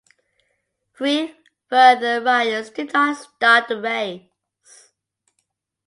Three further riders did not start the race.